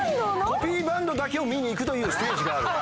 コピーバンドだけを見に行くというステージがある。